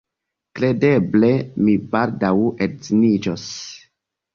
Kredeble mi baldaŭ edziniĝos.